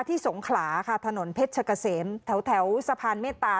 ที่สงขราค่ะถนนเพชรเกษมแถวแถวสะพานเมตตา